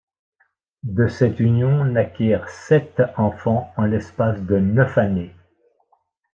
De cette union naquirent sept enfants en l'espace de neuf années.